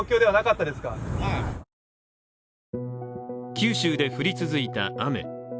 九州で降り続いた雨。